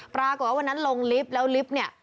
ปรากฏว่าวันนั้นลงลิฟต์แล้วลิฟต์เนี่ย